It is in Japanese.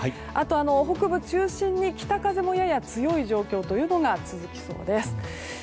あと北部中心に北風もやや強い状況というのが続きそうです。